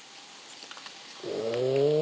お。